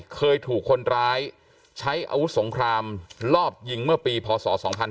เคยถูกคนร้ายใช้อาวุธสงครามลอบยิงเมื่อปีพศ๒๕๕๙